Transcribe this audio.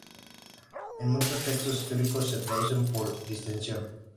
En muchos textos históricos se traduce por "distensión".